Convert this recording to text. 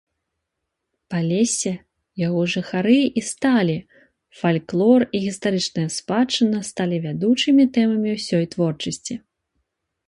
Палессе, яго жыхары і сталі фальклор і гістарычная спадчына сталі вядучымі тэмамі ўсёй творчасці.